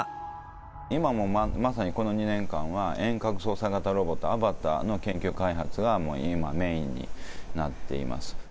今もまさにこの２年間は、遠隔操作型ロボット、アバターの研究開発が、今、メインになっています。